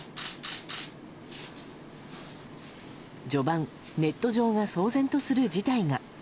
序盤ネット上が騒然とする事態が。